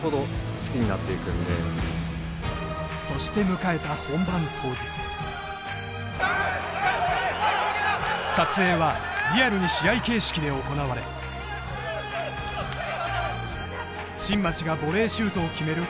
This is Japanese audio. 迎えた本番当日撮影はリアルに試合形式で行われ新町がボレーシュートを決める